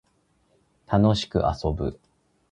楽しく遊ぶ